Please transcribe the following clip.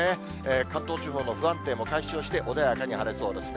関東地方の不安定も解消して穏やかに晴れそうですね。